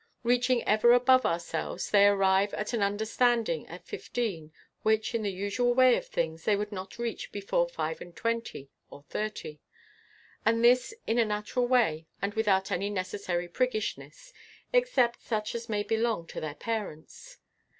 Reaching ever above themselves, they arrive at an understanding at fifteen, which, in the usual way of things, they would not reach before five and twenty or thirty; and this in a natural way, and without any necessary priggishness, except such as may belong to their parents.